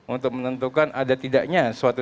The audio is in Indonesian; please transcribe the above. untuk menentukan ada tidaknya suatu